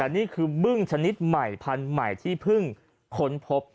นี่คือบึ้งชนิดใหม่พันธุ์ใหม่ที่เพิ่งค้นพบ